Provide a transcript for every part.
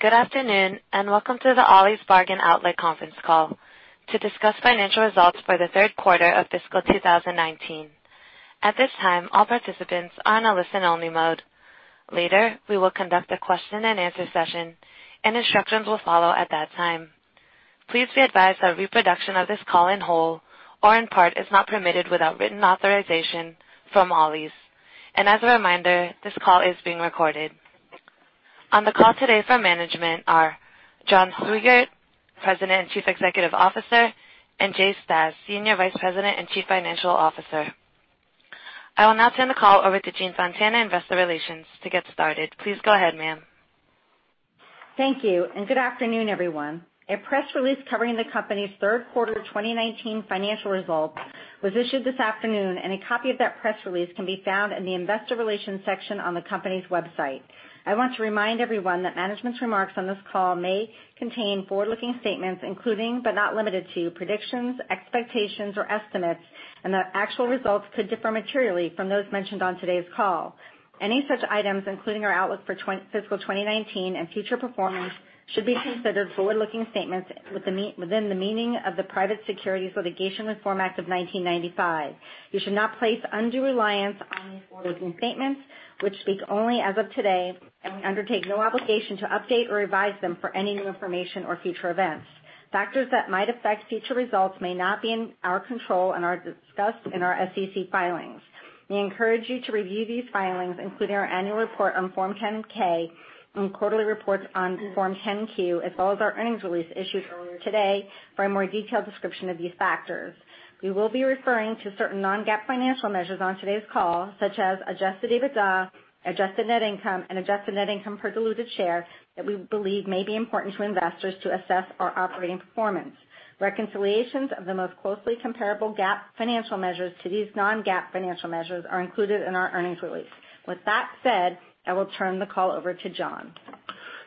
Good afternoon, and welcome to the Ollie's Bargain Outlet conference call to discuss financial results for the Third Quarter of Fiscal 2019. At this time, all participants are on a listen-only mode. Later, we will conduct a question-and-answer session, and instructions will follow at that time. Please be advised that reproduction of this call in whole or in part is not permitted without written authorization from Ollie's. As a reminder, this call is being recorded. On the call today from management are John Swygert, President and Chief Executive Officer, and Jay Stasz, Senior Vice President and Chief Financial Officer. I will now turn the call over to Jean Fontana, Investor Relations, to get started. Please go ahead, ma'am. Thank you, and good afternoon, everyone. A press release covering the company's Third Quarter 2019 Financial Results was issued this afternoon, and a copy of that press release can be found in the investor relations section on the company's website. I want to remind everyone that management's remarks on this call may contain forward-looking statements, including, but not limited to, predictions, expectations, or estimates, and that actual results could differ materially from those mentioned on today's call. Any such items, including our outlook for fiscal 2019 and future performance, should be considered forward-looking statements within the meaning of the Private Securities Litigation Reform Act of 1995. You should not place undue reliance on these forward-looking statements, which speak only as of today, and we undertake no obligation to update or revise them for any new information or future events. Factors that might affect future results may not be in our control and are discussed in our SEC filings. We encourage you to review these filings, including our annual report on Form 10-K and quarterly reports on Form 10-Q, as well as our earnings release issued earlier today, for a more detailed description of these factors. We will be referring to certain non-GAAP financial measures on today's call, such as Adjusted EBITDA, Adjusted Net Income, and Adjusted Net Income per Diluted Share, that we believe may be important to investors to assess our operating performance. Reconciliations of the most closely comparable GAAP financial measures to these non-GAAP financial measures are included in our earnings release. With that said, I will turn the call over to John.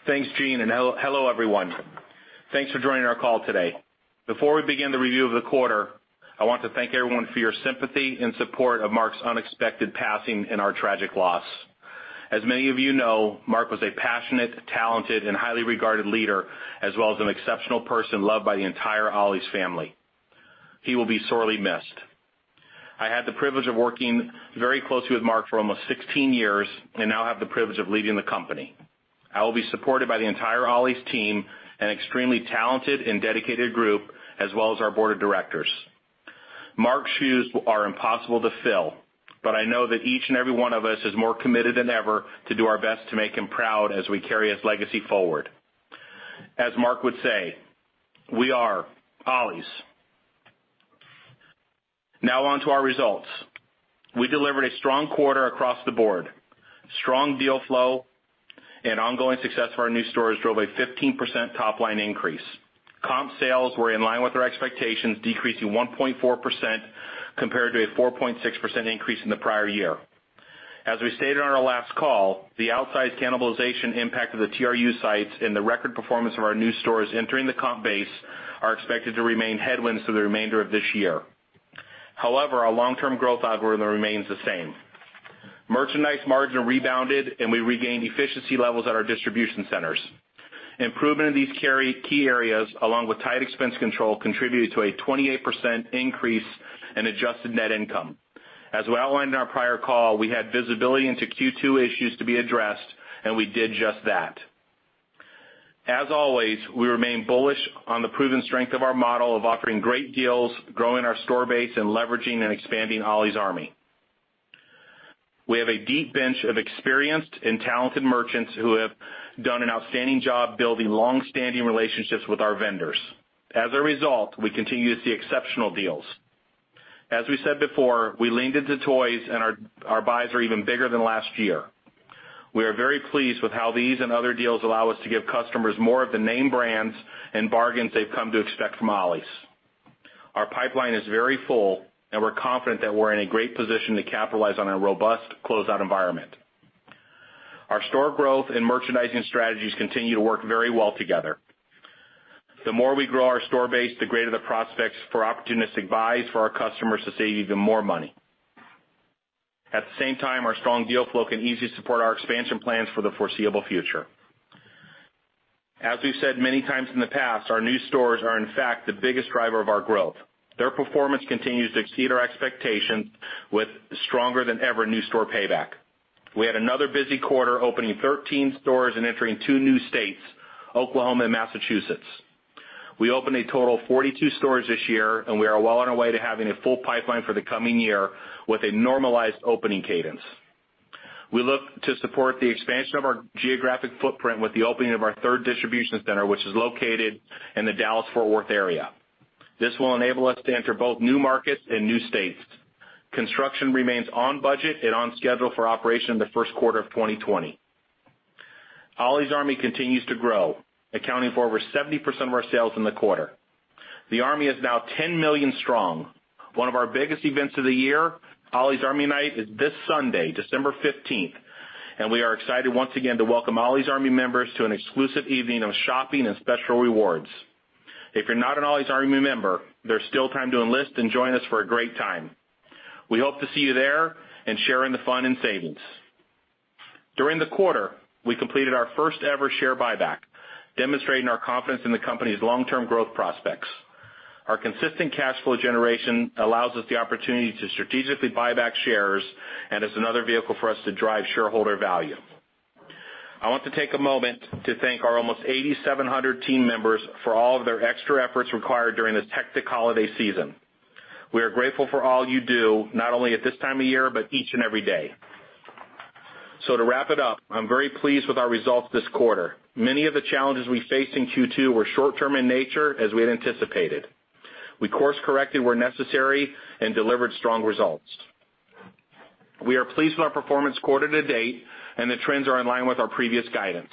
Thanks, Jean, and hello, everyone. Thanks for joining our call today. Before we begin the review of the quarter, I want to thank everyone for your sympathy and support of Mark's unexpected passing and our tragic loss. As many of you know, Mark was a passionate, talented, and highly regarded leader, as well as an exceptional person, loved by the entire Ollie's family. He will be sorely missed. I had the privilege of working very closely with Mark for almost 16 years, and now I have the privilege of leading the company. I will be supported by the entire Ollie's team, an extremely talented and dedicated group, as well as our board of directors. Mark's shoes are impossible to fill, but I know that each and every one of us is more committed than ever to do our best to make him proud as we carry his legacy forward. As Mark would say, "We are Ollie's." Now on to our results. We delivered a strong quarter across the board. Strong deal flow and ongoing success of our new stores drove a 15% top-line increase. Comp sales were in line with our expectations, decreasing 1.4% compared to a 4.6% increase in the prior year. As we stated on our last call, the outsized cannibalization impact of the TRU sites and the record performance of our new stores entering the comp base are expected to remain headwinds through the remainder of this year. However, our long-term growth algorithm remains the same. Merchandise margin rebounded, and we regained efficiency levels at our distribution centers. Improvement in these key areas, along with tight expense control, contributed to a 28% increase in adjusted net income. As we outlined in our prior call, we had visibility into Q2 issues to be addressed, and we did just that. As always, we remain bullish on the proven strength of our model of offering great deals, growing our store base, and leveraging and expanding Ollie's Army. We have a deep bench of experienced and talented merchants who have done an outstanding job building long-standing relationships with our vendors. As a result, we continue to see exceptional deals. As we said before, we leaned into toys, and our buys are even bigger than last year. We are very pleased with how these and other deals allow us to give customers more of the name brands and bargains they've come to expect from Ollie's. Our pipeline is very full, and we're confident that we're in a great position to capitalize on a robust closeout environment. Our store growth and merchandising strategies continue to work very well together. The more we grow our store base, the greater the prospects for opportunistic buys for our customers to save even more money. At the same time, our strong deal flow can easily support our expansion plans for the foreseeable future. As we've said many times in the past, our new stores are, in fact, the biggest driver of our growth. Their performance continues to exceed our expectations with stronger than ever new store payback. We had another busy quarter, opening 13 stores and entering 2 new states, Oklahoma and Massachusetts. We opened a total of 42 stores this year, and we are well on our way to having a full pipeline for the coming year with a normalized opening cadence. We look to support the expansion of our geographic footprint with the opening of our third distribution center, which is located in the Dallas-Fort Worth area. This will enable us to enter both new markets and new states. Construction remains on budget and on schedule for operation in the first quarter of 2020. Ollie's Army continues to grow, accounting for over 70% of our sales in the quarter. The Army is now 10 million strong. One of our biggest events of the year, Ollie's Army Night, is this Sunday, December 15th, and we are excited once again to welcome Ollie's Army members to an exclusive evening of shopping and special rewards. If you're not an Ollie's Army member, there's still time to enlist and join us for a great time. We hope to see you there and share in the fun and savings. During the quarter, we completed our first-ever share buyback, demonstrating our confidence in the company's long-term growth prospects. Our consistent cash flow generation allows us the opportunity to strategically buy back shares and is another vehicle for us to drive shareholder value. I want to take a moment to thank our almost 8,700 team members for all of their extra efforts required during this hectic holiday season. We are grateful for all you do, not only at this time of year, but each and every day. To wrap it up, I'm very pleased with our results this quarter. Many of the challenges we faced in Q2 were short-term in nature, as we had anticipated. We course-corrected where necessary and delivered strong results. We are pleased with our performance quarter to date, and the trends are in line with our previous guidance.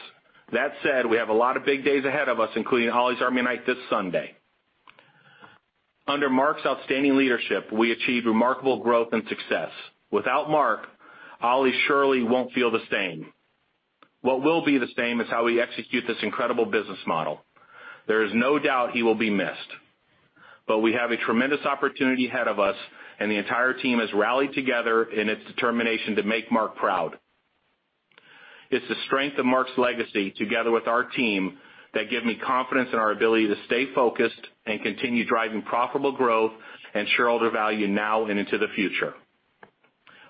That said, we have a lot of big days ahead of us, including Ollie's Army Night this Sunday. Under Mark's outstanding leadership, we achieved remarkable growth and success. Without Mark, Ollie's surely won't feel the same. What will be the same is how we execute this incredible business model. There is no doubt he will be missed, but we have a tremendous opportunity ahead of us, and the entire team has rallied together in its determination to make Mark proud. It's the strength of Mark's legacy, together with our team, that give me confidence in our ability to stay focused and continue driving profitable growth and shareholder value now and into the future.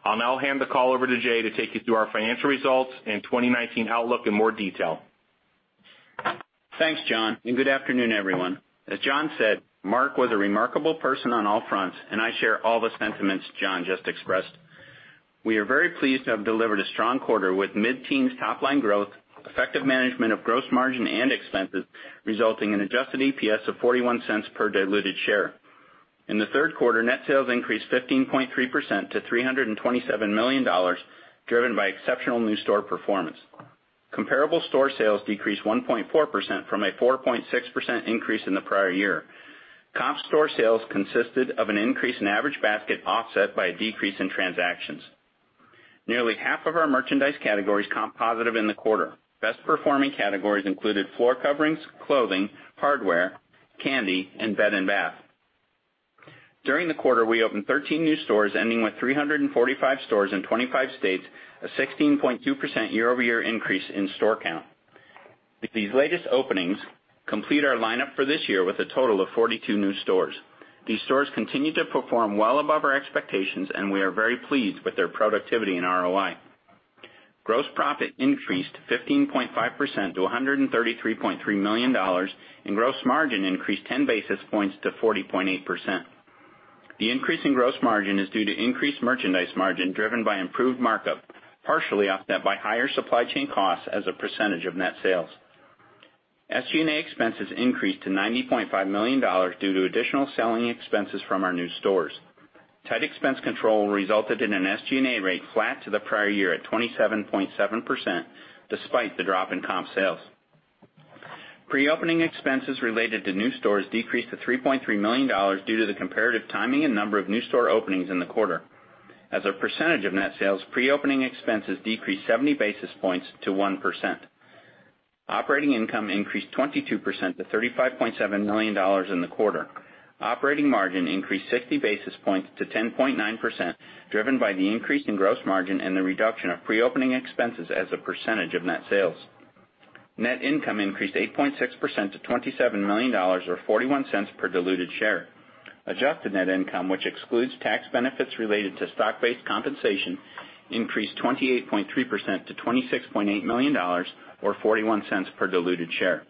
I'll now hand the call over to Jay to take you through our financial results and 2019 outlook in more detail. Thanks, John, and good afternoon, everyone. As John said, Mark was a remarkable person on all fronts, and I share all the sentiments John just expressed. We are very pleased to have delivered a strong quarter with mid-teens top-line growth, effective management of gross margin and expenses, resulting in adjusted EPS of $0.41 per diluted share. In the third quarter, net sales increased 15.3% to $327 million, driven by exceptional new store performance. Comparable store sales decreased 1.4% from a 4.6% increase in the prior year. Comp store sales consisted of an increase in average basket, offset by a decrease in transactions. Nearly half of our merchandise categories comped positive in the quarter. Best-performing categories included floor coverings, clothing, hardware, candy, and bed and bath. During the quarter, we opened 13 new stores, ending with 345 stores in 25 states, a 16.2% year-over-year increase in store count. These latest openings complete our lineup for this year with a total of 42 new stores. These stores continue to perform well above our expectations, and we are very pleased with their productivity and ROI. Gross profit increased 15.5% to $133.3 million, and gross margin increased 10 basis points to 40.8%. The increase in gross margin is due to increased merchandise margin, driven by improved markup, partially offset by higher supply chain costs as a percentage of net sales. SG&A expenses increased to $90.5 million due to additional selling expenses from our new stores. Tight expense control resulted in an SG&A rate flat to the prior year at 27.7%, despite the drop in comp sales. Pre-opening expenses related to new stores decreased to $3.3 million due to the comparative timing and number of new store openings in the quarter. As a percentage of net sales, pre-opening expenses decreased 70 basis points to 1%. Operating income increased 22% to $35.7 million in the quarter. Operating margin increased 60 basis points to 10.9%, driven by the increase in gross margin and the reduction of pre-opening expenses as a percentage of net sales. Net income increased 8.6% to $27 million, or $0.41 per diluted share. Adjusted Net Income, which excludes tax benefits related to stock-based compensation, increased 28.3% to $26.8 million, or $0.41 per diluted share,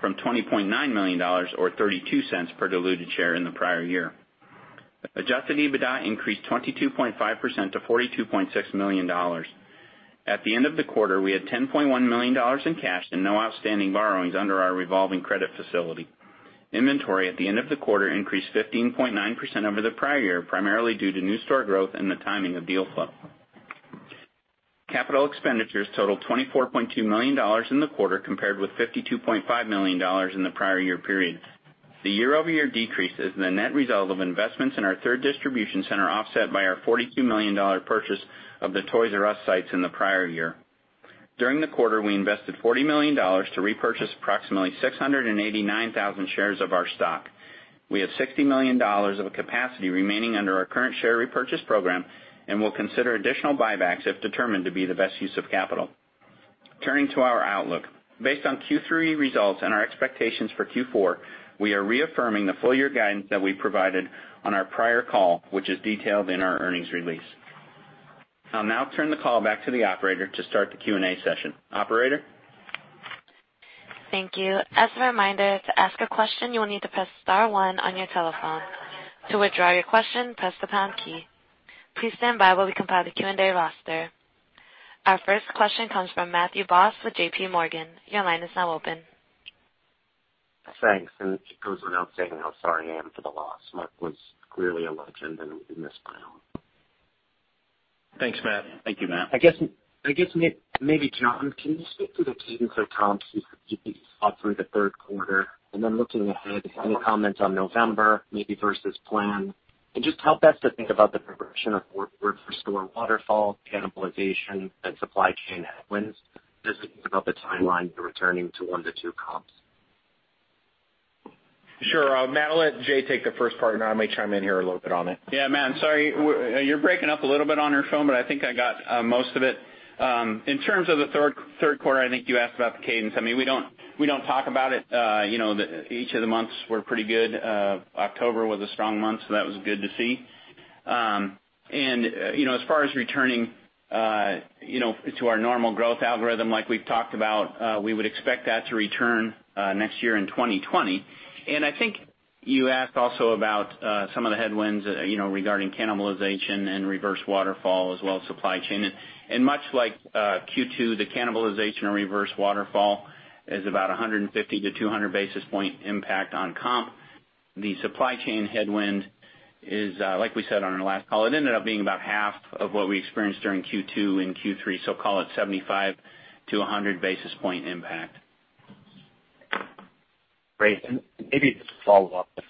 from $20.9 million, or $0.32 per diluted share in the prior year. Adjusted EBITDA increased 22.5% to $42.6 million. At the end of the quarter, we had $10.1 million in cash and no outstanding borrowings under our revolving credit facility. Inventory at the end of the quarter increased 15.9% over the prior year, primarily due to new store growth and the timing of deal flow. Capital expenditures totaled $24.2 million in the quarter, compared with $52.5 million in the prior year period. The year-over-year decrease is the net result of investments in our third distribution center, offset by our $42 million purchase of the Toys "R" Us sites in the prior year. During the quarter, we invested $40 million to repurchase approximately 689,000 shares of our stock. We have $60 million of capacity remaining under our current share repurchase program and will consider additional buybacks if determined to be the best use of capital. Turning to our outlook. Based on Q3 results and our expectations for Q4, we are reaffirming the full year guidance that we provided on our prior call, which is detailed in our earnings release. I'll now turn the call back to the operator to start the Q&A session. Operator? Thank you. As a reminder, to ask a question, you will need to press star one on your telephone. To withdraw your question, press the pound key. Please stand by while we compile the Q&A roster. Our first question comes from Matthew Boss with JPMorgan. Your line is now open. Thanks, and just goes without saying how sorry I am for the loss. Mark was clearly a legend, and we miss him. Thanks, Matt. Thank you, Matt. I guess maybe, John, can you speak to the cadence of comps you saw through the third quarter? And then looking ahead, any comments on November, maybe versus plan, and just how best to think about the progression of fourth-quarter store waterfall, cannibalization, and supply chain headwinds as it thinks about the timeline to returning to 1-2 comps? Sure, Matt, I'll let Jay take the first part, and then I may chime in here a little bit on it. Yeah, Matt, I'm sorry, you're breaking up a little bit on your phone, but I think I got most of it. In terms of the third quarter, I think you asked about the cadence. I mean, we don't talk about it. You know, each of the months were pretty good. October was a strong month, so that was good to see. And, you know, as far as returning, you know, to our normal growth algorithm like we've talked about, we would expect that to return next year in 2020. And I think you asked also about some of the headwinds, you know, regarding cannibalization and reverse waterfall as well as supply chain. And much like Q2, the Cannibalization and Reverse Waterfall is about 150-200 basis point impact on comp. The supply chain headwind is, like we said on our last call, it ended up being about half of what we experienced during Q2 and Q3, so call it 75-100 basis point impact. Great. And maybe just to follow up, if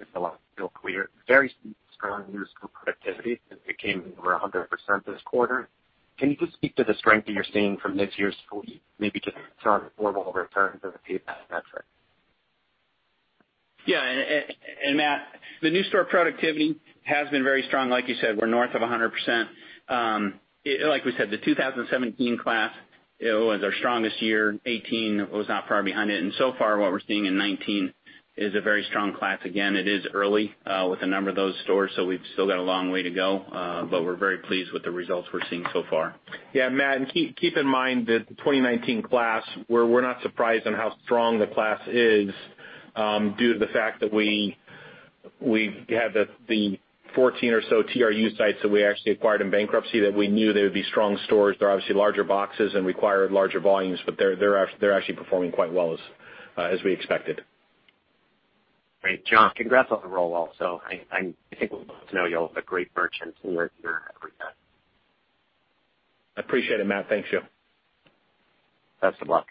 it's still clear. Very strong new store productivity, since it came in over 100% this quarter. Can you just speak to the strength that you're seeing from this year's school year? Maybe just return on overall returns as a payback metric. Yeah, Matt, the new store productivity has been very strong. Like you said, we're north of 100%. Like we said, the 2017 class, it was our strongest year. 2018 was not far behind it, and so far, what we're seeing in 2019 is a very strong class. Again, it is early, with a number of those stores, so we've still got a long way to go, but we're very pleased with the results we're seeing so far. Yeah, Matt, and keep in mind that the 2019 class, we're not surprised on how strong the class is, due to the fact that we have the 14 or so TRU sites that we actually acquired in bankruptcy, that we knew they would be strong stores. They're obviously larger boxes and require larger volumes, but they're actually performing quite well as we expected. Great. John, congrats on the role also. I think we both know you're a great merchant, and we're here every time. I appreciate it, Matt. Thank you. Best of luck.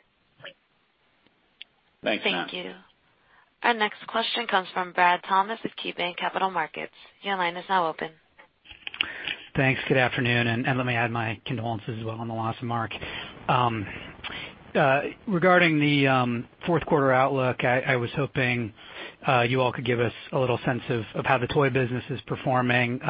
Thanks, Matt. Thank you. Our next question comes from Brad Thomas with KeyBanc Capital Markets. Your line is now open. Thanks. Good afternoon, and let me add my condolences as well on the loss of Mark. Regarding the fourth quarter outlook, I was hoping you all could give us a little sense of how the toy business is performing. You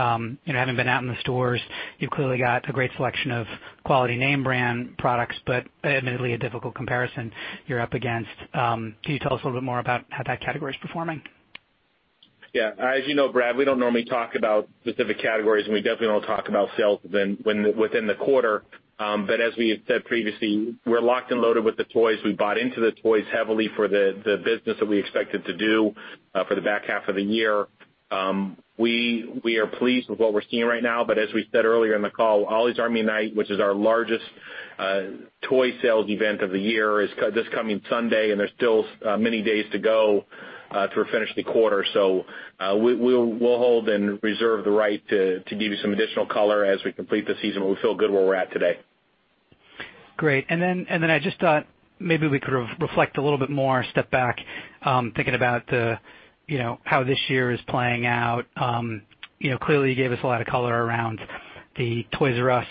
know, having been out in the stores, you've clearly got a great selection of quality name brand products, but admittedly, a difficult comparison you're up against. Can you tell us a little bit more about how that category is performing? Yeah. As you know, Brad, we don't normally talk about specific categories, and we definitely don't talk about sales within, when, within the quarter. But as we have said previously, we're locked and loaded with the toys. We bought into the toys heavily for the, the business that we expected to do for the back half of the year. We are pleased with what we're seeing right now, but as we said earlier in the call, Ollie's Army Night, which is our largest toy sales event of the year, is this coming Sunday, and there's still many days to go to finish the quarter. So, we'll hold and reserve the right to give you some additional color as we complete the season, but we feel good where we're at today. Great. And then I just thought maybe we could reflect a little bit more, step back, thinking about the, you know, how this year is playing out. You know, clearly, you gave us a lot of color around the Toys "R" Us,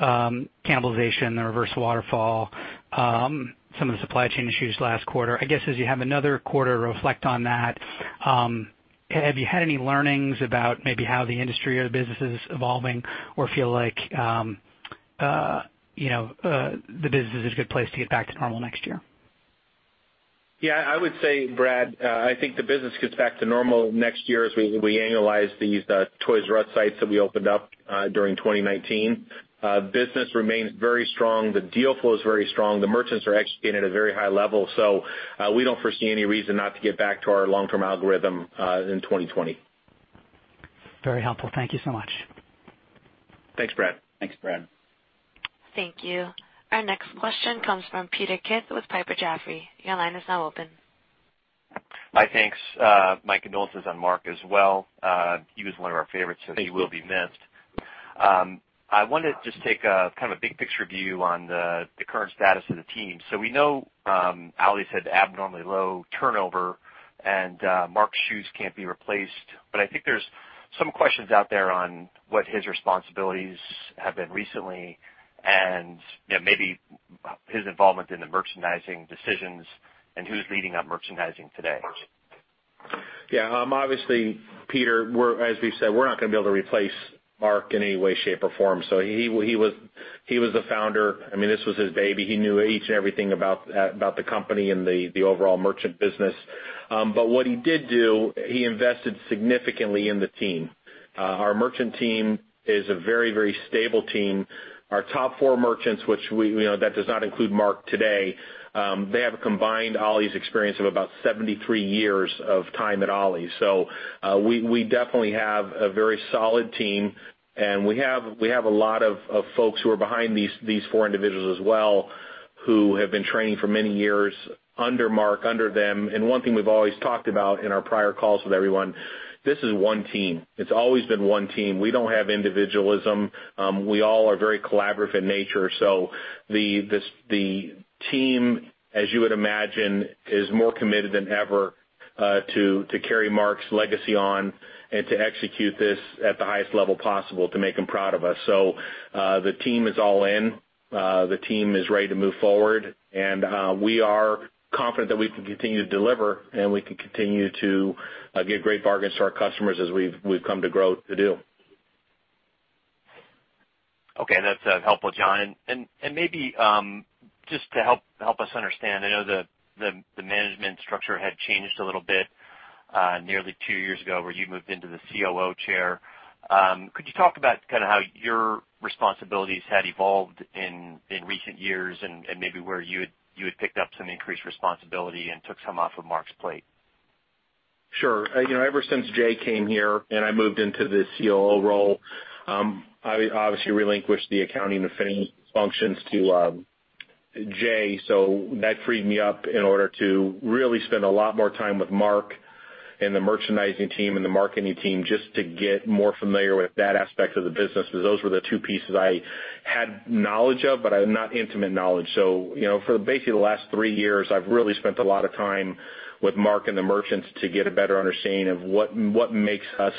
cannibalization, the Reverse Waterfall, some of the supply chain issues last quarter. I guess, as you have another quarter to reflect on that, have you had any learnings about maybe how the industry or the business is evolving or feel like, you know, the business is a good place to get back to normal next year? Yeah, I would say, Brad, I think the business gets back to normal next year as we annualize these Toys "R" Us sites that we opened up during 2019. Business remains very strong. The deal flow is very strong. The merchants are executing at a very high level. So, we don't foresee any reason not to get back to our long-term algorithm in 2020. Very helpful. Thank you so much. Thanks, Brad. Thanks, Brad. Thank you. Our next question comes from Peter Keith with Piper Sandler. Your line is now open. Hi, thanks. My condolences on Mark as well. He was one of our favorites, so he will be missed. I wanted to just take a kind of a big picture view on the current status of the team. So we know, Ollie's had abnormally low turnover and, Mark's shoes can't be replaced, but I think there's some questions out there on what his responsibilities have been recently and, you know, maybe his involvement in the merchandising decisions and who's leading up merchandising today. Yeah, obviously, Peter, we're—as we've said, we're not gonna be able to replace Mark in any way, shape, or form. So he was the founder. I mean, this was his baby. He knew each and everything about the company and the overall merchant business. But what he did do, he invested significantly in the team. Our merchant team is a very, very stable team. Our top four merchants, which we know that does not include Mark today, they have a combined Ollie's experience of about 73 years of time at Ollie's. So we definitely have a very solid team, and we have a lot of folks who are behind these four individuals as well, who have been training for many years under Mark, under them. One thing we've always talked about in our prior calls with everyone, this is one team. It's always been one team. We don't have individualism. We all are very collaborative in nature. So the team, as you would imagine, is more committed than ever to carry Mark's legacy on and to execute this at the highest level possible to make him proud of us. The team is all in. The team is ready to move forward, and we are confident that we can continue to deliver, and we can continue to get great bargains to our customers as we've come to grow to do. Okay, that's helpful, John. And maybe just to help us understand, I know the management structure had changed a little bit nearly two years ago, where you moved into the COO chair. Could you talk about kind of how your responsibilities had evolved in recent years and maybe where you had picked up some increased responsibility and took some off of Mark's plate? Sure. You know, ever since Jay came here, and I moved into the COO role, I obviously relinquished the accounting and finance functions to Jay. So that freed me up in order to really spend a lot more time with Mark and the merchandising team and the marketing team, just to get more familiar with that aspect of the business. Because those were the two pieces I had knowledge of, but not intimate knowledge. So, you know, for basically the last three years, I've really spent a lot of time with Mark and the merchants to get a better understanding of what makes us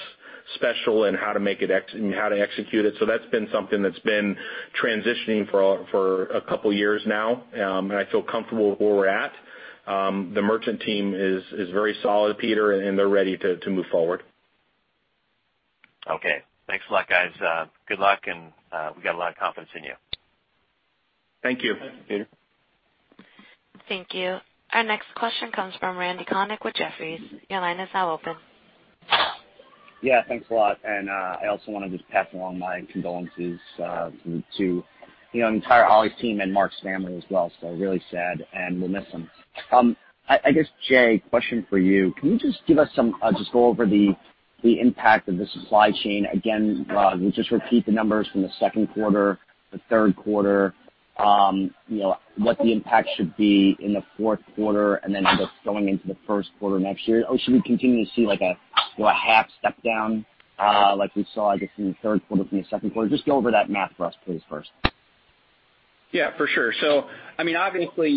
special and how to make it ex- and how to execute it. So that's been something that's been transitioning for a couple of years now, and I feel comfortable with where we're at. The merchant team is very solid, Peter, and they're ready to move forward. Okay. Thanks a lot, guys. Good luck, and we've got a lot of confidence in you. Thank you. Thanks, Peter. Thank you. Our next question comes from Randal Konik with Jefferies. Your line is now open. Yeah, thanks a lot. And, I also wanna just pass along my condolences to, you know, the entire Ollie's team and Mark's family as well. So really sad, and we'll miss him. I guess, Jay, question for you, can you just give us some, just go over the impact of the supply chain again, just repeat the numbers from the second quarter, the third quarter, you know, what the impact should be in the fourth quarter, and then just going into the first quarter next year? Or should we continue to see, like, a half step down, like we saw, I guess, in the third quarter, from the second quarter? Just go over that math for us, please, first. Yeah, for sure. So, I mean, obviously,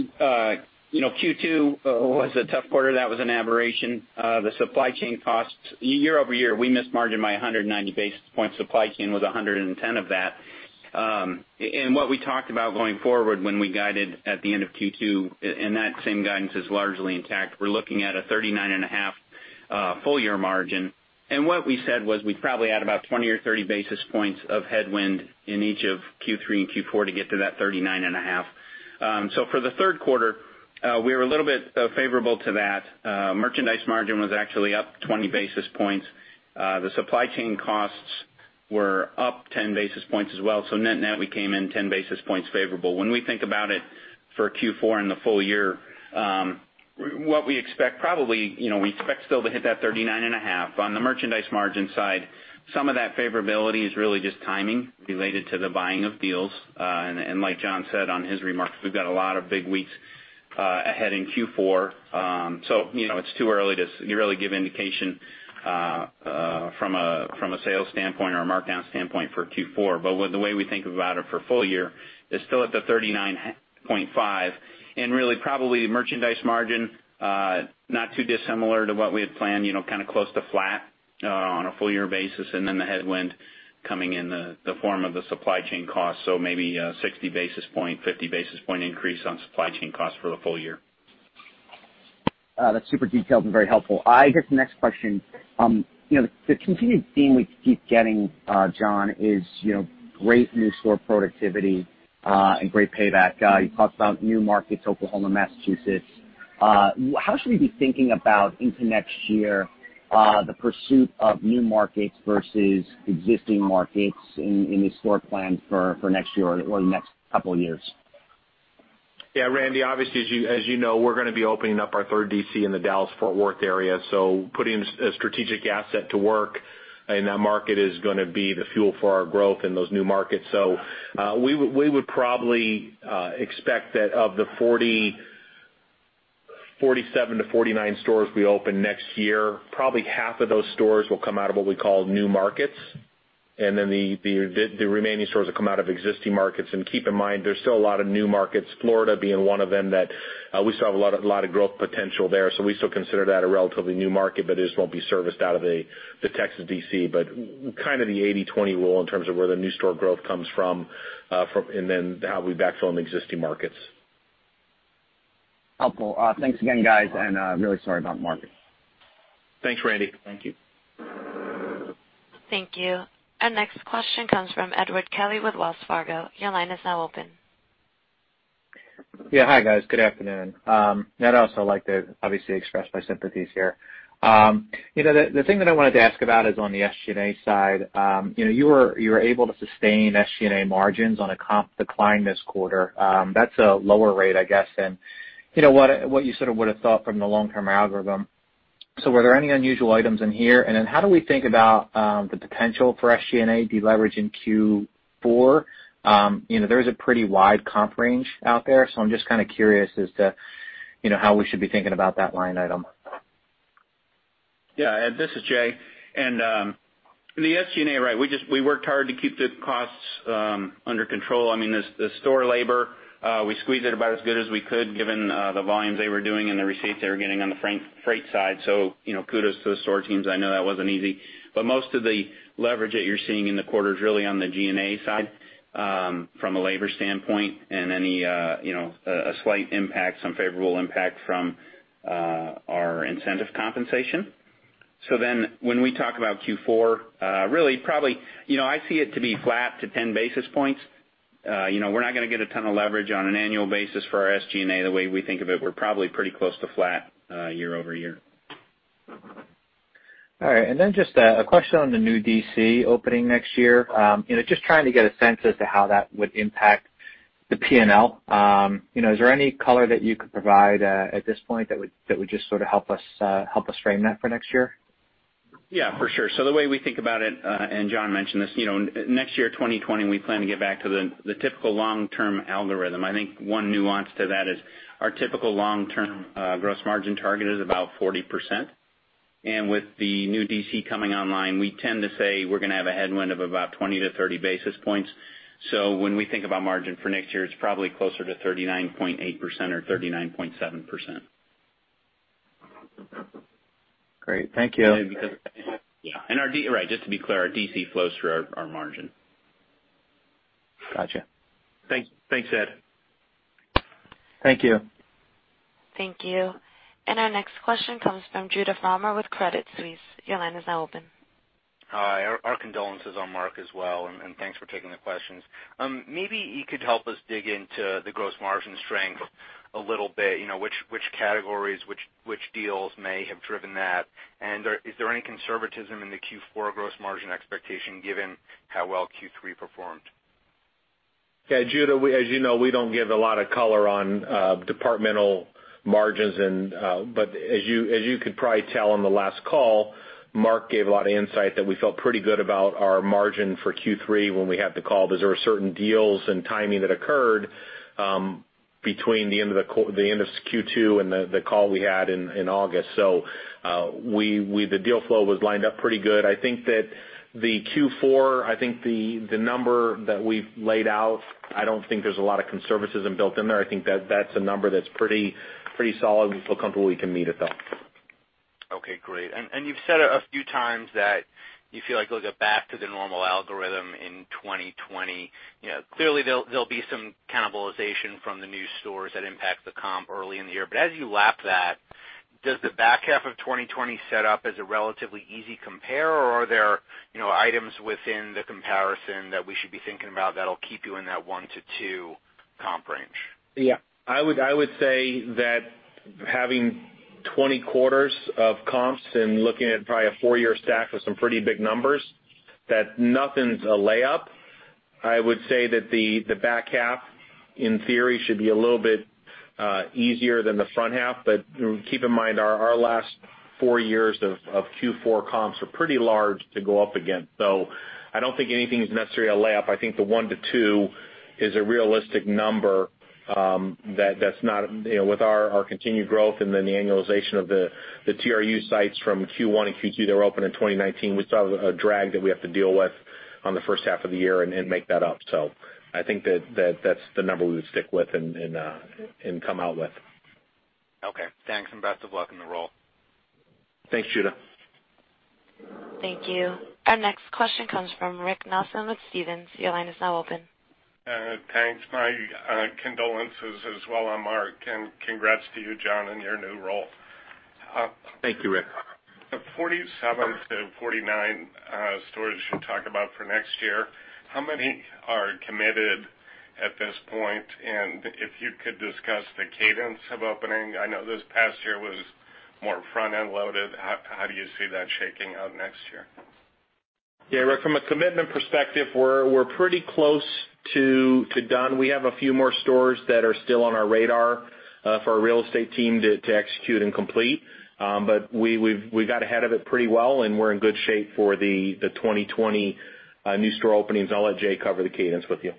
you know, Q2 was a tough quarter. That was an aberration. The supply chain costs, year-over-year, we missed margin by 190 basis points. Supply chain was 110 of that. And what we talked about going forward when we guided at the end of Q2, and that same guidance is largely intact. We're looking at a 39.5 full year margin, and what we said was we'd probably add about 20 or 30 basis points of headwind in each of Q3 and Q4 to get to that 39.5. So for the third quarter, we were a little bit favorable to that. Merchandise margin was actually up 20 basis points. The supply chain costs were up 10 basis points as well. So net net, we came in 10 basis points favorable. When we think about it for Q4 and the full year, what we expect probably, you know, we expect still to hit that 39.5. On the merchandise margin side, some of that favorability is really just timing related to the buying of deals. And like John said on his remarks, we've got a lot of big weeks ahead in Q4. So you know, it's too early to really give indication from a sales standpoint or a markdown standpoint for Q4. But with the way we think about it for full year is still at the 39.5, and really probably merchandise margin, not too dissimilar to what we had planned, you know, kind of close to flat, on a full year basis, and then the headwind coming in the form of the supply chain cost. So maybe a 60-50 basis point increase on supply chain costs for the full year. That's super detailed and very helpful. I guess the next question, you know, the continued theme we keep getting, John, is, you know, great new store productivity, and great payback. You talked about new markets, Oklahoma, Massachusetts. How should we be thinking about into next year, the pursuit of new markets versus existing markets in, in the store plans for, for next year or the next couple of years? Yeah, Randy, obviously, as you know, we're gonna be opening up our third DC in the Dallas-Fort Worth area. So putting a strategic asset to work in that market is gonna be the fuel for our growth in those new markets. So, we would, we would probably expect that of the 47-49 stores we open next year, probably half of those stores will come out of what we call new markets, and then the remaining stores will come out of existing markets. And keep in mind, there's still a lot of new markets, Florida being one of them, that we still have a lot of growth potential there. So we still consider that a relatively new market, but it won't be serviced out of the Texas DC. Kind of the 80/20 rule in terms of where the new store growth comes from, and then how we backfill in the existing markets. Helpful. Thanks again, guys. And really sorry about Mark. Thanks, Randy. Thank you. Thank you. Our next question comes from Edward Kelly with Wells Fargo. Your line is now open. Yeah. Hi, guys. Good afternoon. I'd also like to obviously express my sympathies here. You know, the thing that I wanted to ask about is on the SG&A side. You know, you were able to sustain SG&A margins on a comp decline this quarter. That's a lower rate, I guess, than you know, what you sort of would have thought from the long-term algorithm. So were there any unusual items in here? And then how do we think about the potential for SG&A deleverage in Q4? You know, there is a pretty wide comp range out there, so I'm just kind of curious as to, you know, how we should be thinking about that line item. Yeah, Ed, this is Jay. And the SG&A, right, we just we worked hard to keep the costs under control. I mean, the store labor, we squeezed it about as good as we could, given the volumes they were doing and the receipts they were getting on the freight side. So, you know, kudos to the store teams. I know that wasn't easy. But most of the leverage that you're seeing in the quarter is really on the G&A side, from a labor standpoint and any, you know, a slight impact, some favorable impact from our incentive compensation. So then when we talk about Q4, really probably, you know, I see it to be flat to 10 basis points. You know, we're not gonna get a ton of leverage on an annual basis for our SG&A. The way we think of it, we're probably pretty close to flat, year-over-year. All right, and then just a question on the new DC opening next year. You know, just trying to get a sense as to how that would impact the PNL. You know, is there any color that you could provide, at this point, that would just sort of help us frame that for next year? Yeah, for sure. So the way we think about it, and John mentioned this, you know, next year, 2020, we plan to get back to the, the typical long-term algorithm. I think one nuance to that is our typical long-term, gross margin target is about 40%. And with the new DC coming online, we tend to say we're gonna have a headwind of about 20-30 basis points. So when we think about margin for next year, it's probably closer to 39.8% or 39.7%. Great. Thank you. Yeah, and our DC, right, just to be clear, our DC flows through our margin. Gotcha. Thanks, Ed. Thank you. Thank you. Our next question comes from Judah Frommer with Credit Suisse. Your line is now open. Hi, our condolences on Mark as well, and thanks for taking the questions. Maybe you could help us dig into the gross margin strength a little bit. You know, which categories, which deals may have driven that? Is there any conservatism in the Q4 gross margin expectation, given how well Q3 performed? Yeah, Judah, as you know, we don't give a lot of color on departmental margins and, but as you could probably tell on the last call, Mark gave a lot of insight that we felt pretty good about our margin for Q3 when we had the call, because there were certain deals and timing that occurred between the end of Q2 and the call we had in August. So, the deal flow was lined up pretty good. I think that the Q4, I think the number that we've laid out, I don't think there's a lot of conservatism built in there. I think that that's a number that's pretty solid. We feel comfortable we can meet it, though. Okay, great. You've said a few times that you feel like you'll get back to the normal algorithm in 2020. You know, clearly, there'll be some cannibalization from the new stores that impact the comp early in the year. But as you lap that, does the back half of 2020 set up as a relatively easy compare, or are there, you know, items within the comparison that we should be thinking about that'll keep you in that 1-2 comp range? Yeah. I would say that having 20 quarters of comps and looking at probably a 4-year stack with some pretty big numbers, that nothing's a layup. I would say that the back half, in theory, should be a little bit easier than the front half. But keep in mind, our last 4 years of Q4 comps are pretty large to go up against. So I don't think anything is necessarily a layup. I think the 1-2 is a realistic number, that that's not... You know, with our continued growth and then the annualization of the TRU sites from Q1 and Q2 that were open in 2019, we still have a drag that we have to deal with on the first half of the year and make that up. So I think that's the number we would stick with and come out with. Okay, thanks, and best of luck in the role. Thanks, Judah. Thank you. Our next question comes from Rick Nelson with Stephens. Your line is now open. Thanks. My condolences as well on Mark, and congrats to you, John, in your new role. Thank you, Rick. The 47-49 stores you should talk about for next year, how many are committed at this point? And if you could discuss the cadence of opening. I know this past year was more front-end loaded. How do you see that shaking out next year? Yeah, Rick, from a commitment perspective, we're pretty close to done. We have a few more stores that are still on our radar for our real estate team to execute and complete. But we got ahead of it pretty well, and we're in good shape for the 2020 new store openings. I'll let Jay cover the cadence with you.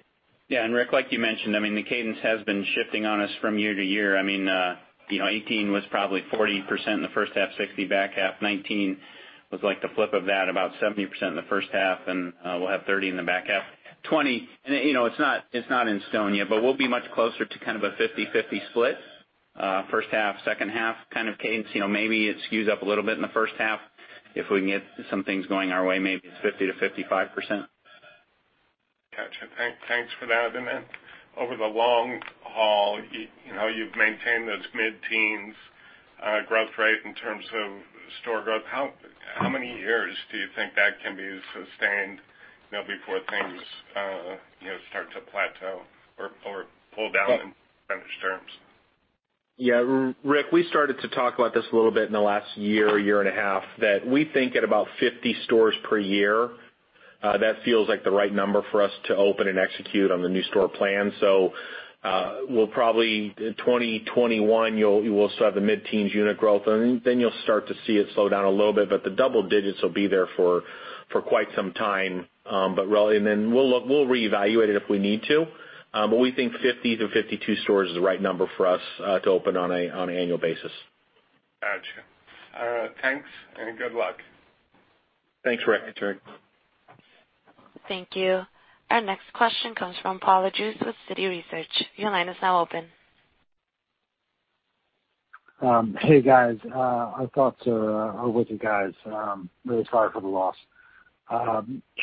Yeah, and Rick, like you mentioned, I mean, the cadence has been shifting on us from year to year. I mean, you know, 2018 was probably 40% in the first half, 60% back half. 2019 was like the flip of that, about 70% in the first half, and we'll have 30% in the back half. 2020, and you know, it's not, it's not in stone yet, but we'll be much closer to kind of a 50/50 split, first half, second half, kind of cadence. You know, maybe it skews up a little bit in the first half. If we can get some things going our way, maybe it's 50%-55%. Gotcha. Thanks for that. And then over the long haul, you know, you've maintained those mid-teens growth rate in terms of store growth. How many years do you think that can be sustained, you know, before things, you know, start to plateau or pull down in terms? Yeah, Rick, we started to talk about this a little bit in the last year and a half, that we think at about 50 stores per year that feels like the right number for us to open and execute on the new store plan. So, we'll probably, 2021, you will still have the mid-teens unit growth, and then you'll start to see it slow down a little bit, but the double digits will be there for quite some time. But really, then we'll reevaluate it if we need to. But we think 50-52 stores is the right number for us to open on an annual basis. Gotcha. Thanks, and good luck. Thanks, Rick. Thanks, Rick. Thank you. Our next question comes from Paul Lejuez with Citi Research. Your line is now open. Hey, guys. Our thoughts are with you guys. Really sorry for the loss.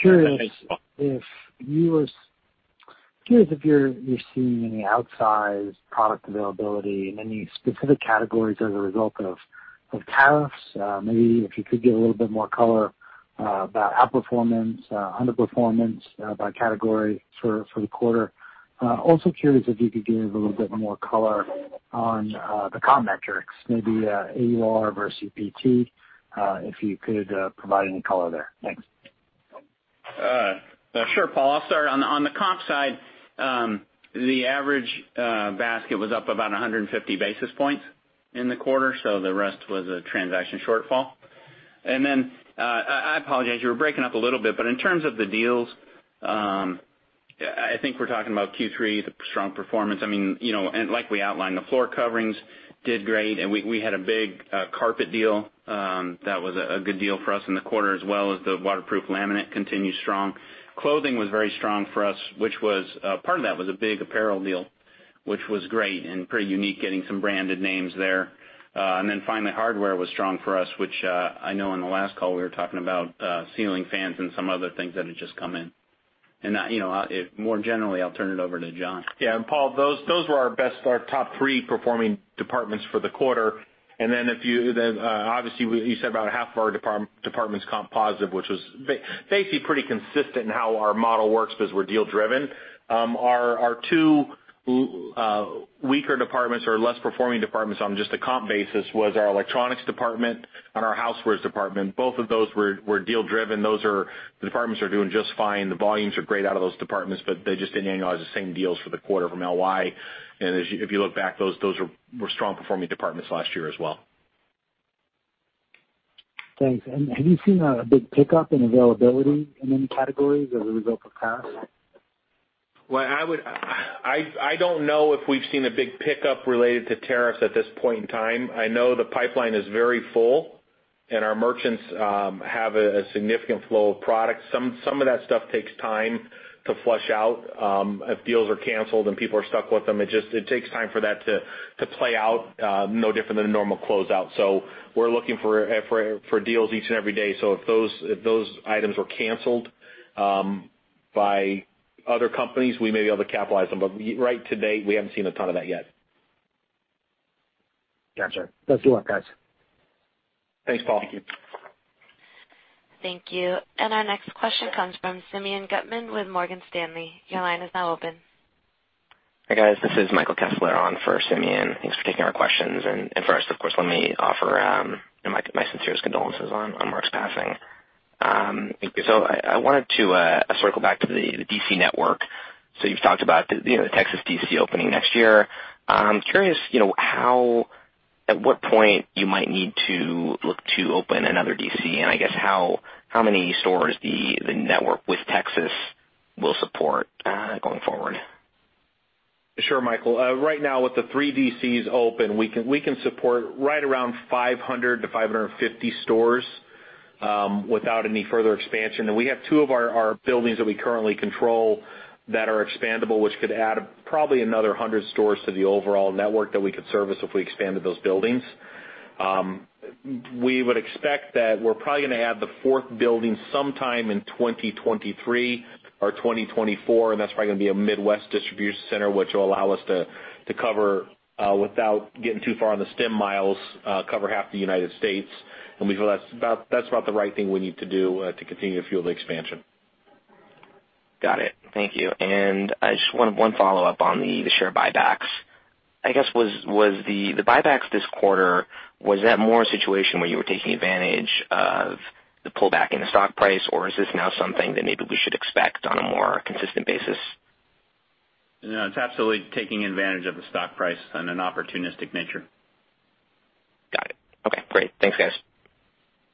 Curious if you were s-... Curious if you're seeing any outsized product availability in any specific categories as a result of tariffs? Maybe if you could give a little bit more color about outperformance, underperformance, by category for the quarter. Also curious if you could give a little bit more color on the comp metrics, maybe, AUR versus UPT, if you could provide any color there. Thanks. Sure, Paul. I'll start on the comp side, the average basket was up about 150 basis points in the quarter, so the rest was a transaction shortfall. Then, I apologize, you were breaking up a little bit, but in terms of the deals, I think we're talking about Q3, the strong performance. I mean, you know, and like we outlined, the floor coverings did great, and we had a big carpet deal that was a good deal for us in the quarter, as well as the waterproof laminate continued strong. Clothing was very strong for us, which was part of that was a big apparel deal, which was great and pretty unique, getting some branded names there. And then finally, hardware was strong for us, which I know on the last call we were talking about ceiling fans and some other things that had just come in. You know, more generally, I'll turn it over to John. Yeah, and Paul, those were our best - our top three performing departments for the quarter. And then if you obviously you said about half of our departments comp positive, which was basically pretty consistent in how our model works because we're deal driven. Our two weaker departments or less performing departments on just a comp basis was our electronics department and our housewares department. Both of those were deal driven. Those are - the departments are doing just fine. The volumes are great out of those departments, but they just didn't analyze the same deals for the quarter from LY. And as you - if you look back, those were strong performing departments last year as well. Thanks. And have you seen a big pickup in availability in any categories as a result of tariffs? Well, I would... I don't know if we've seen a big pickup related to tariffs at this point in time. I know the pipeline is very full, and our merchants have a significant flow of products. Some of that stuff takes time to flush out, if deals are canceled and people are stuck with them, it just takes time for that to play out, no different than a normal closeout. So we're looking for deals each and every day. So if those items were canceled by other companies, we may be able to capitalize them. But to date, we haven't seen a ton of that yet. Gotcha. Best of luck, guys. Thanks, Paul. Thank you. Thank you. Our next question comes from Simeon Gutman with Morgan Stanley. Your line is now open. Hi, guys. This is Michael Kessler on for Simeon. Thanks for taking our questions. First, of course, let me offer my sincerest condolences on Mark's passing. So I wanted to circle back to the DC network. So you've talked about the, you know, the Texas DC opening next year. I'm curious, you know, how at what point you might need to look to open another DC, and I guess how many stores the network with Texas will support going forward? Sure, Michael. Right now, with the three DCs open, we can, we can support right around 500-550 stores, without any further expansion. And we have two of our buildings that we currently control that are expandable, which could add probably another 100 stores to the overall network that we could service if we expanded those buildings. We would expect that we're probably gonna add the fourth building sometime in 2023 or 2024, and that's probably gonna be a Midwest distribution center, which will allow us to cover, without getting too far on the stem miles, cover half the United States. And we feel that's about the right thing we need to do, to continue to fuel the expansion. Got it. Thank you. I just wanted one follow-up on the share buybacks. I guess, was the buybacks this quarter, was that more a situation where you were taking advantage of the pullback in the stock price, or is this now something that maybe we should expect on a more consistent basis? No, it's absolutely taking advantage of the stock price on an opportunistic nature. Got it. Okay, great. Thanks, guys.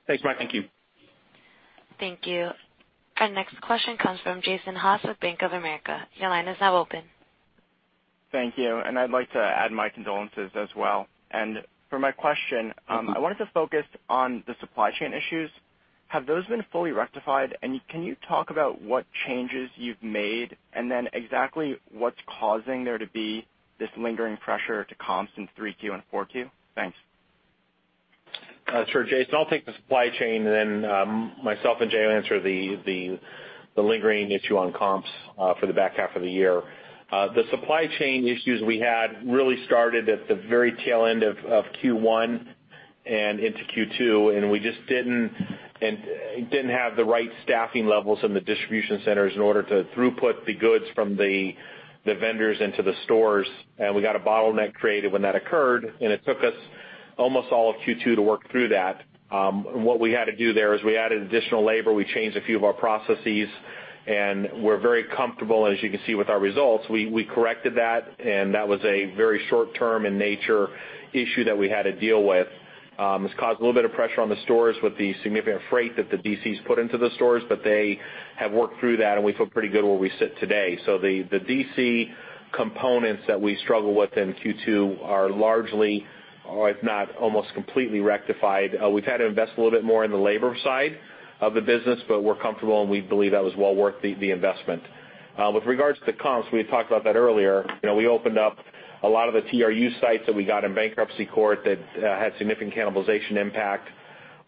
Thanks, Mike. Thank you. Thank you. Our next question comes from Jason Haas with Bank of America. Your line is now open. Thank you, and I'd like to add my condolences as well. For my question, I wanted to focus on the supply chain issues. Have those been fully rectified? Can you talk about what changes you've made, and then exactly what's causing there to be this lingering pressure to comps in 3Q and 4Q? Thanks. Sure, Jason. I'll take the supply chain and then myself and Jay will answer the lingering issue on comps for the back half of the year. The supply chain issues we had really started at the very tail end of Q1 and into Q2, and we just didn't have the right staffing levels in the distribution centers in order to throughput the goods from the vendors into the stores. We got a bottleneck created when that occurred, and it took us almost all of Q2 to work through that. And what we had to do there is we added additional labor, we changed a few of our processes, and we're very comfortable, as you can see with our results, we corrected that, and that was a very short term in nature issue that we had to deal with. This caused a little bit of pressure on the stores with the significant freight that the DCs put into the stores, but they have worked through that, and we feel pretty good where we sit today. So the DC components that we struggled with in Q2 are largely, or if not, almost completely rectified. We've had to invest a little bit more in the labor side of the business, but we're comfortable, and we believe that was well worth the investment. With regards to comps, we had talked about that earlier. You know, we opened up a lot of the TRU sites that we got in bankruptcy court that had significant cannibalization impact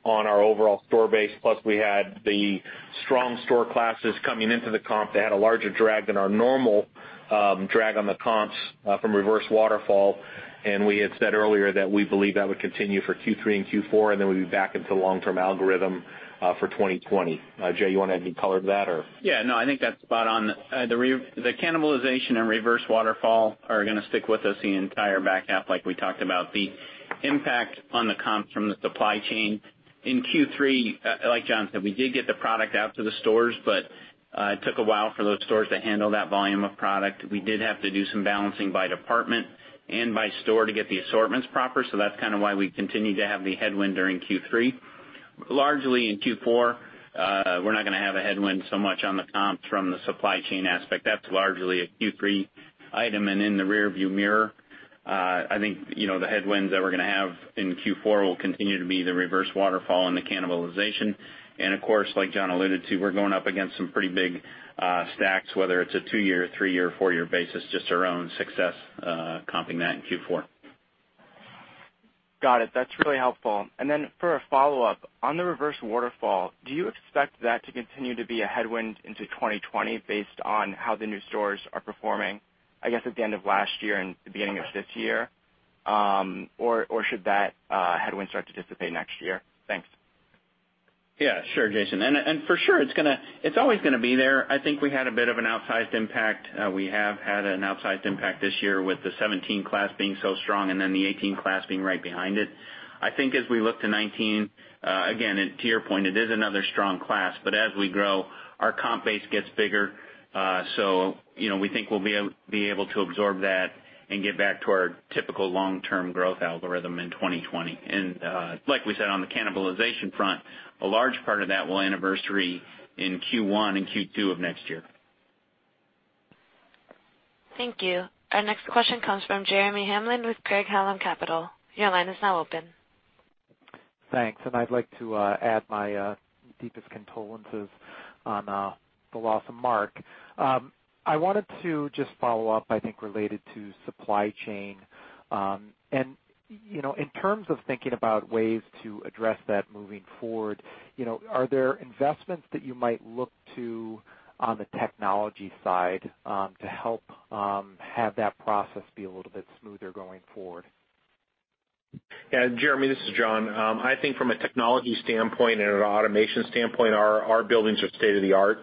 on our overall store base, plus we had the strong store classes coming into the comp. They had a larger drag than our normal drag on the comps from reverse waterfall, and we had said earlier that we believe that would continue for Q3 and Q4, and then we'd be back into long-term algorithm for 2020. Jay, you want to add any color to that, or? Yeah, no, I think that's spot on. The cannibalization and reverse waterfall are gonna stick with us the entire back half, like we talked about. The impact on the comps from the supply chain in Q3, like John said, we did get the product out to the stores, but it took a while for those stores to handle that volume of product. We did have to do some balancing by department and by store to get the assortments proper, so that's kind of why we continued to have the headwind during Q3. Largely, in Q4, we're not gonna have a headwind so much on the comps from the supply chain aspect. That's largely a Q3 item. And in the rearview mirror, I think, you know, the headwinds that we're gonna have in Q4 will continue to be the reverse waterfall and the cannibalization. Of course, like John alluded to, we're going up against some pretty big stacks, whether it's a 2-year, 3-year, or 4-year basis, just our own success, comping that in Q4. Got it. That's really helpful. And then for a follow-up, on the reverse waterfall, do you expect that to continue to be a headwind into 2020 based on how the new stores are performing, I guess, at the end of last year and the beginning of this year? Or should that headwind start to dissipate next year? Thanks. Yeah, sure, Jason. And for sure, it's gonna. It's always gonna be there. I think we had a bit of an outsized impact. We have had an outsized impact this year with the 2017 class being so strong and then the 2018 class being right behind it. I think as we look to 2019, again, and to your point, it is another strong class, but as we grow, our comp base gets bigger. So, you know, we think we'll be able to absorb that and get back to our typical long-term growth algorithm in 2020. And, like we said, on the cannibalization front, a large part of that will anniversary in Q1 and Q2 of next year. Thank you. Our next question comes from Jeremy Hamblin with Craig-Hallum Capital. Your line is now open. Thanks. I'd like to add my deepest condolences on the loss of Mark. I wanted to just follow up, I think, related to supply chain. You know, in terms of thinking about ways to address that moving forward, you know, are there investments that you might look to on the technology side, to help have that process be a little bit smoother going forward? Yeah, Jeremy, this is John. I think from a technology standpoint and an automation standpoint, our buildings are state-of-the-art.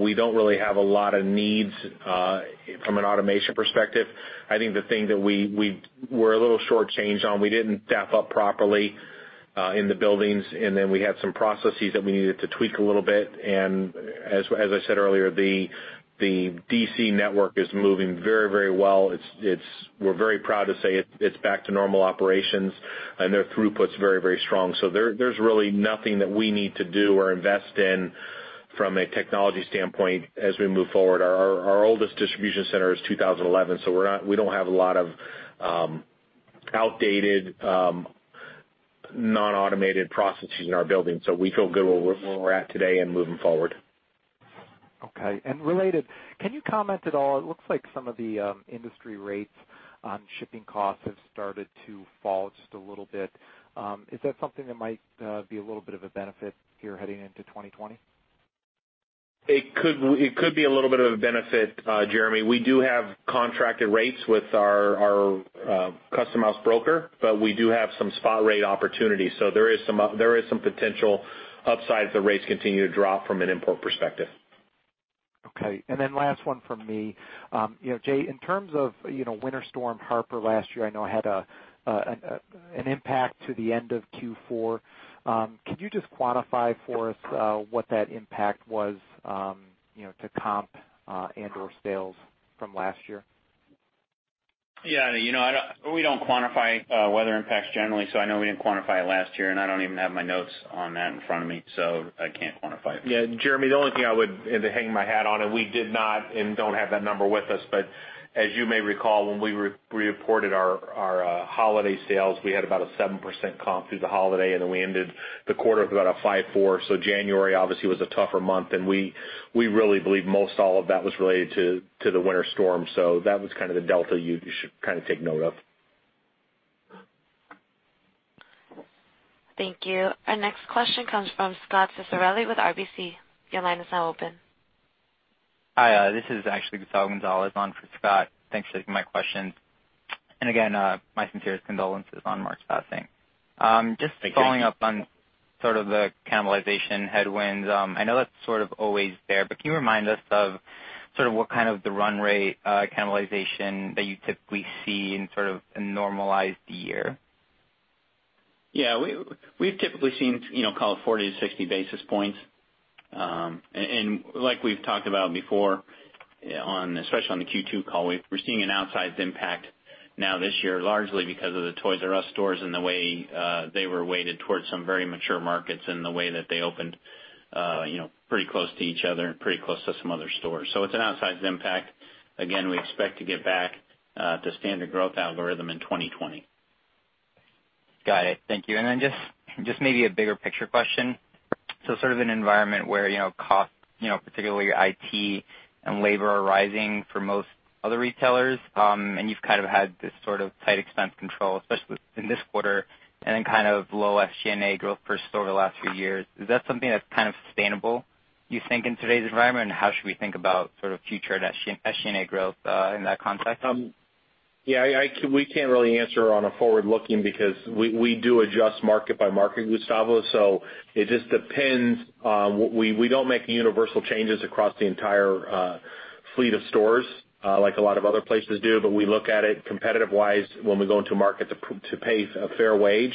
We don't really have a lot of needs from an automation perspective. I think the thing that we were a little shortchanged on, we didn't staff up properly in the buildings, and then we had some processes that we needed to tweak a little bit. As I said earlier, the DC network is moving very, very well. It's. We're very proud to say it's back to normal operations, and their throughput's very, very strong. So, there's really nothing that we need to do or invest in from a technology standpoint as we move forward. Our oldest distribution center is 2011, so we're not. We don't have a lot of outdated non-automated processes in our building, so we feel good where we're at today and moving forward. Okay. And related, can you comment at all? It looks like some of the industry rates on shipping costs have started to fall just a little bit. Is that something that might be a little bit of a benefit here heading into 2020? It could, it could be a little bit of a benefit, Jeremy. We do have contracted rates with our customs house broker, but we do have some spot rate opportunities. So there is some, there is some potential upside if the rates continue to drop from an import perspective. Okay. And then last one from me. You know, Jay, in terms of, you know, Winter Storm Harper last year, I know had an impact to the end of Q4. Could you just quantify for us what that impact was, you know, to comp and/or sales from last year? Yeah, you know, we don't quantify weather impacts generally, so I know we didn't quantify it last year, and I don't even have my notes on that in front of me, so I can't quantify it. Yeah, Jeremy, the only thing I would... And to hang my hat on, and we did not and don't have that number with us, but as you may recall, when we pre-reported our holiday sales, we had about a 7% comp through the holiday, and then we ended the quarter with about a 5.4%. So January obviously was a tougher month, and we really believe most all of that was related to the winter storm. So that was kind of the delta you should kind of take note of. Thank you. Our next question comes from Scott Ciccarelli with RBC. Your line is now open. Hi, this is actually Gustavo Gonzalez on for Scott. Thanks for taking my questions. And again, my sincerest condolences on Mark's passing. Just- Thank you. Following up on sort of the cannibalization headwinds. I know that's sort of always there, but can you remind us of sort of what kind of the run rate, cannibalization that you typically see in sort of a normalized year? Yeah, we've typically seen, you know, call it 40-60 basis points. Like we've talked about before, especially on the Q2 call, we're seeing an outsized impact now this year, largely because of the Toys "R" Us stores and the way they were weighted towards some very mature markets and the way that they opened, you know, pretty close to each other and pretty close to some other stores. So it's an outsized impact. Again, we expect to get back to standard growth algorithm in 2020. Got it. Thank you. And then just maybe a bigger picture question. So sort of an environment where, you know, costs, you know, particularly IT and labor, are rising for most other retailers, and you've kind of had this sort of tight expense control, especially in this quarter, and then kind of low SG&A growth per store over the last few years. Is that something that's kind of sustainable, you think, in today's environment? And how should we think about sort of future SG&A growth, in that context? Yeah, I—we can't really answer on a forward looking because we do adjust market by market, Gustavo, so it just depends. We don't make universal changes across the entire fleet of stores like a lot of other places do, but we look at it competitive-wise when we go into a market, to pay a fair wage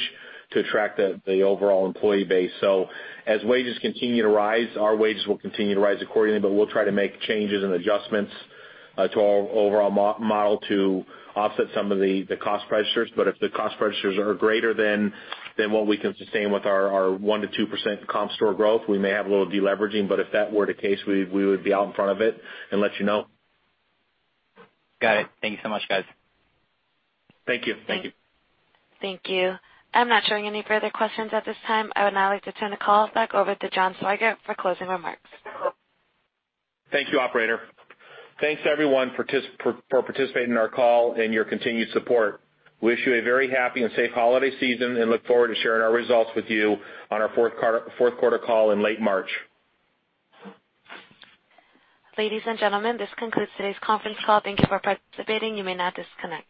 to attract the overall employee base. So as wages continue to rise, our wages will continue to rise accordingly, but we'll try to make changes and adjustments to our overall model to offset some of the cost pressures. But if the cost pressures are greater than what we can sustain with our 1%-2% comp store growth, we may have a little deleveraging. But if that were the case, we would be out in front of it and let you know. Got it. Thank you so much, guys. Thank you. Thank you. Thank you. I'm not showing any further questions at this time. I would now like to turn the call back over to John Swygert for closing remarks. Thank you, operator. Thanks, everyone, for participating in our call and your continued support. We wish you a very happy and safe holiday season and look forward to sharing our results with you on our fourth quarter call in late March. Ladies and gentlemen, this concludes today's conference call. Thank you for participating. You may now disconnect.